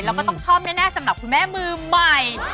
แล้วก็ต้องชอบแน่สำหรับคุณแม่มือใหม่